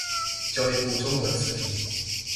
教育部中文詞頻